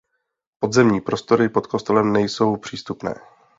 Podzemní prostory pod kostelem nejsou přístupné.